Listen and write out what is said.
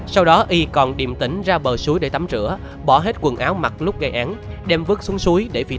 sau đó y còn điềm tỉnh ra bờ suối để tắm rửa bỏ hết quần áo mặc lúc gây án đem vứt xuống suối để phi công